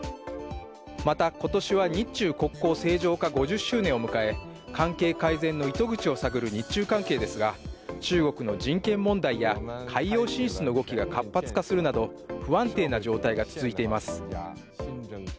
また、今年は日中国交正常化５０周年を迎え、関係改善の糸口を探る日中関係ですが、中国の人権問題や海洋進出の動きが活発化するなど不安定な状態が続いています。